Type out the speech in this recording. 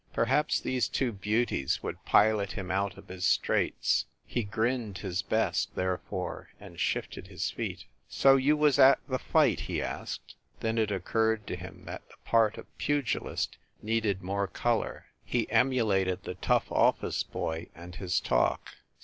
Perhaps these two beauties would pilot him out of his straits. He grinned his best, therefore, and shifted his feet. "So you was at the fight?" he asked. Then it occurred to him that the part of pugilist needed more color. He emulated the tough office boy and his talk.